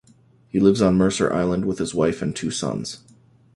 He lives on Mercer Island with his wife and two sons.